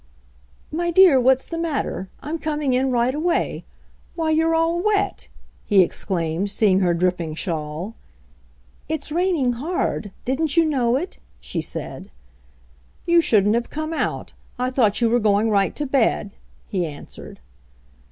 "My dear, what's the matter? I'm coming in right away. Why, you're all wet !" he exclaimed, seeing her dripping shavsd. "It's raining hard. Didn't you know it?" she said. "You shouldn't have come out ; I thought you were going right to bed," he answered.